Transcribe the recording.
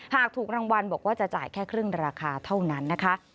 หากถูกรางวัลบอกว่าจะจ่ายแค่ครึ่งราคาเท่านั้นนะคะ